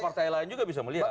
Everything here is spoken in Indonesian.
partai lain juga bisa melihat